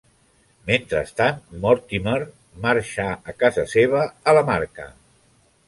Mentrestant, Mortimer marxà a casa seva, a la Marca.